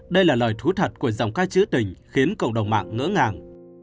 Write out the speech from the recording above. đây là lời thú thật của giọng ca chữ tình khiến cộng đồng mạng ngỡ ngàng